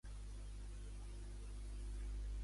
Smiley torna a Londres i es reuneix en secret amb Enderby.